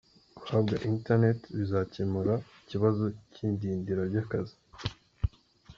Guhabwa internet bizakemura ikibazo cy’idindira ry’akazi.